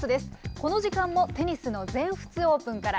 この時間もテニスの全仏オープンから。